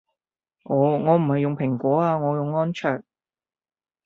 哦我唔係用蘋果啊我用安卓